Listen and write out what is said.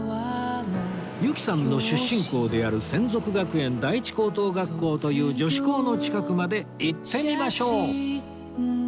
由紀さんの出身校である洗足学園第一高等学校という女子校の近くまで行ってみましょう！